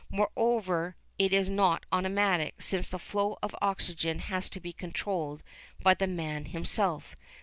Moreover, it is not automatic, since the flow of oxygen has to be controlled by the man himself.